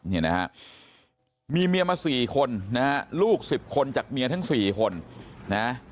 นี่นะฮะมีเมียมาสี่คนนะฮะลูก๑๐คนจากเมียทั้ง๔คนนะ